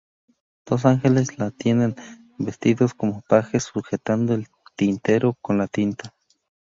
Dos ángeles la atienden, vestidos como pajes, sujetando el tintero con la tinta.